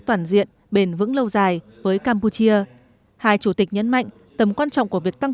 toàn diện bền vững lâu dài với campuchia hai chủ tịch nhấn mạnh tầm quan trọng của việc tăng